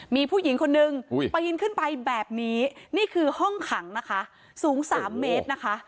มีผู้หญิงคนนึงปีนขึ้นไปแบบนี้นี่คือห้องขังนะคะสูง๓เมตรนะคะ